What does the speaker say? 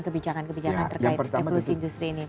kebijakan kebijakan terkait evolusi industri ini